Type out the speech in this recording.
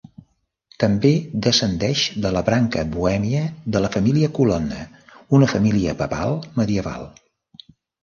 També descendeix de la branca bohèmia de la família Colonna, una família papal medieval.